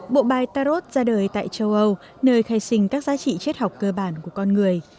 bộ bài tarot ra đời tại châu âu nơi khai sinh các giá trị chết học cơ bản của con người